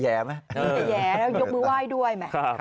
ยิ้มแย่แล้วยกมือไหว้ด้วย